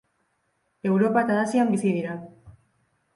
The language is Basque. Europa eta Asian bizi dira.